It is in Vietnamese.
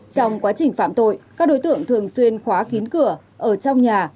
trong quá trình phạm tội các đối tượng thường xuyên khóa kín cửa ở trong nhà